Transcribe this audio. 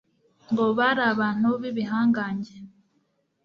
ngo bari abantu b'ibihangange